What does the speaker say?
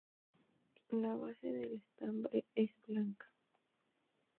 La base del estambre es blanca.